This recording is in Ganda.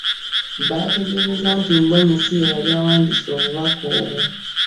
Baategeezezza nti Mbonye si y'eyali awandiise obubaka obwo